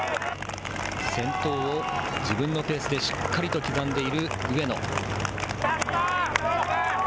先頭を自分のペースでしっかりと刻んでいる上野。